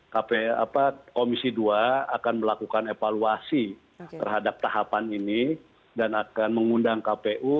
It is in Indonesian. komisi dua akan melakukan evaluasi terhadap tahapan ini dan akan mengundang kpu